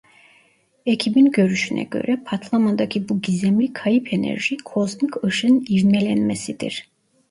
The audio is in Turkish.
Ekibin görüşüne göre patlamadaki bu gizemli kayıp enerji kozmik ışın ivmelenmesidir.